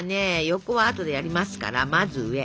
横はあとでやりますからまず上。